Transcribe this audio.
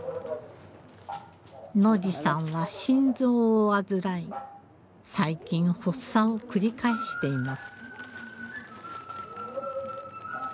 乃莉さんは心臓を患い最近発作を繰り返しています。